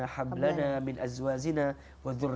karena doa yang beliau selalu bacakan itu kan